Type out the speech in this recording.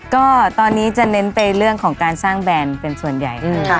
ก็ตอนนี้จะเน้นไปเรื่องของการสร้างแบรนด์เป็นส่วนใหญ่